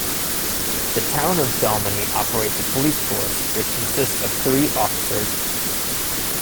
The town of Dalmeny operates a police force which consists of three officers.